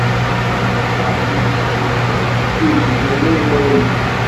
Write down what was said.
Nnan axxam ur nesεi llsas, ur ittdumu i yimawlan.